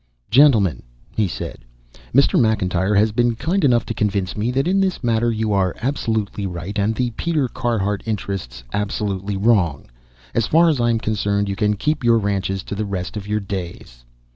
"Gentlemen," he said, "Mr. McIntyre has been kind enough to convince me that in this matter you are absolutely right and the Peter Carhart interests absolutely wrong. As far as I am concerned you can keep your ranches to the rest of your days."